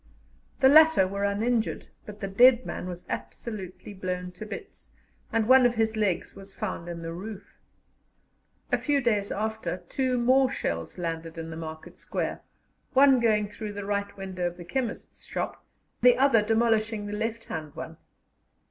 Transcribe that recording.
The latter were uninjured, but the dead man was absolutely blown to bits, and one of his legs was found in the roof. A few days after two more shells landed in the market square, one going through the right window of the chemist's shop, the other demolishing the left hand one.